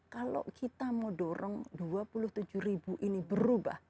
kalau kita mau dorong dua puluh tujuh ribu ini berubah